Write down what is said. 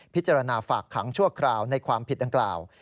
ฝากขังชั่วคราวในความผิดดังกล่าว